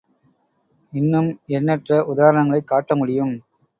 இன்னும் எண்ணற்ற உதாரணங்களைக் காட்ட முடியும்.